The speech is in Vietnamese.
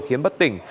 khiến bất tỉnh